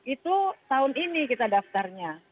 itu tahun ini kita daftarnya